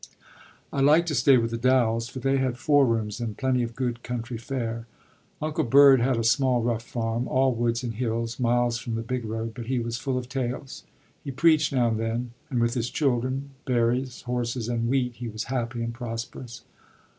I liked to stay with the Dowells, for they had four rooms and plenty of good country fare. Uncle Bird had a small, rough farm, all woods and hills, miles from the big road; but he was full of tales, he preached now and then, and with his children, berries, horses, and wheat he was happy and prosperous.